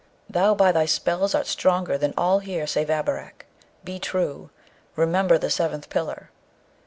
Thou by thy spells art stronger than all here save Abarak. Be true! Remember the seventh pillar!'